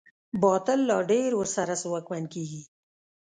باطل لا ډېر ورسره ځواکمن کېږي.